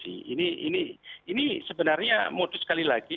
ini sebenarnya modus sekali lagi